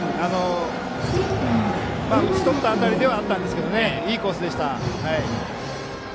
打ち取った当たりではあったんですけどいいコースでした。